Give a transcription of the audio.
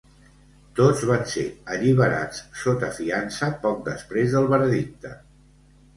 Tots van ser alliberats sota fiança poc després del veredicte.